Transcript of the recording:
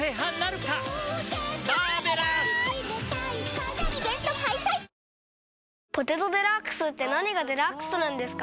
新「グリーンズフリー」「ポテトデラックス」って何がデラックスなんですか？